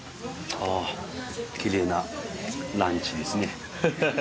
あきれいなランチですねハハハ。